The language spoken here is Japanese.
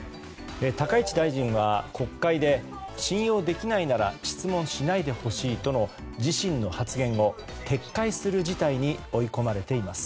高市大臣は国会で信用できないなら質問しないでほしいとの自身の発言を撤回する事態に追い込まれています。